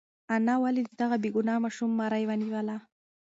انا ولې د دغه بېګناه ماشوم مرۍ ونیوله؟